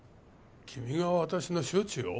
君が私の処置を？